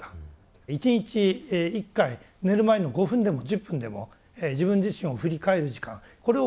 １日１回寝る前の５分でも１０分でも自分自身を振り返る時間これを持って頂きたい。